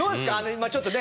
今ちょっとね